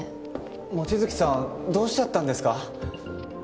望月さんどうしちゃったんですか？